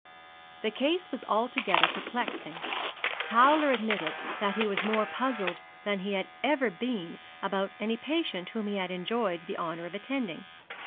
The case was altogether perplexing. Towler admitted that he was more puzzled than he had ever been about any patient whom he had enjoyed the honour of attending.